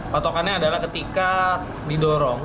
patokannya adalah ketika didorong